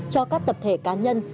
cho các tập thể cá nhân